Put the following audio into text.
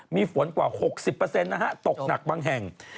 มีฝนกว่า๖๐นะฮะตกหนักบางแห่ง